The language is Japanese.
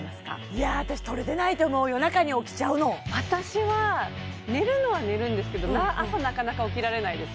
いや私とれてないと思う夜中に起きちゃうの私は寝るのは寝るんですけど朝なかなか起きられないです